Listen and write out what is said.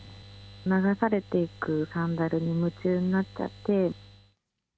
流されていくサンダルに夢中になっちゃって。